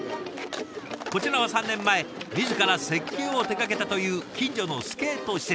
こちらは３年前自ら設計を手がけたという近所のスケート施設。